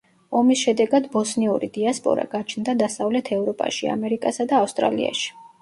ომის შედეგად ბოსნიური დიასპორა გაჩნდა დასავლეთ ევროპაში, ამერიკასა და ავსტრალიაში.